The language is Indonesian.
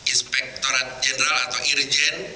inspektorat jenderal atau irjen